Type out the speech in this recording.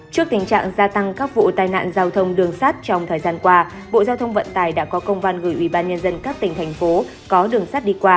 trước tình trạng gia tăng các vụ tai nạn giao thông đường sát trong thời gian qua bộ giao thông vận tài đã có công văn gửi ubnd các tỉnh thành phố có đường sát đi qua